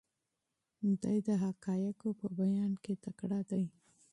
دی د حقایقو په بیان کې تکړه دی.